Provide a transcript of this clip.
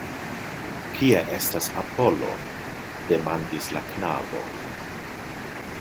Kie estas Apolo? demandis la knabo.